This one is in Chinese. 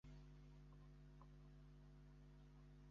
采白莲教支派。